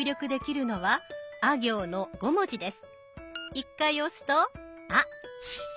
１回押すと「あ」。